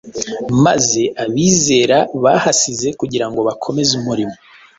maze abizera bahasize kugira ngo bakomeze umurimo